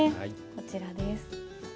こちらです。